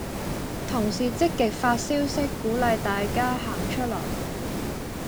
同事積極發消息鼓勵大家行出來